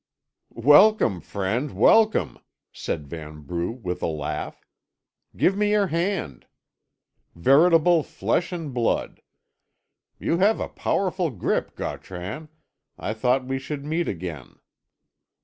"Welcome, friend, welcome," said Vanbrugh, with a laugh. "Give me your hand. Veritable flesh and blood. You have a powerful grip, Gautran. I thought we should meet again.